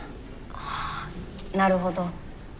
ああなるほど。